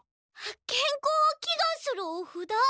けんこうをきがんするおふだ？